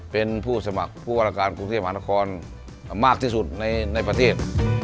เป็นผู้สมัครผู้ว่าราชการกรุงเทพมหานครมากที่สุดในประเทศ